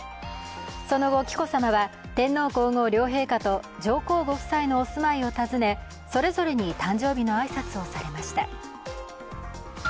その後、紀子さまは天皇皇后両陛下と上皇ご夫妻のお住まいを訪ね、それぞれに誕生日の挨拶をされました。